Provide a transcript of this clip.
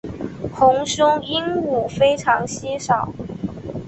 红胸鹦鹉非常稀少。